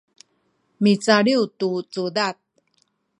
micaliw tu cudad